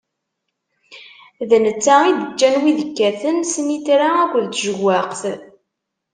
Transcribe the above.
D netta i d-iǧǧan wid ikkaten snitra akked tjewwaqt.